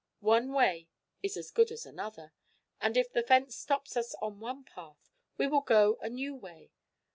One way is as good as another, and if the fence stops us on one path we will go a new way.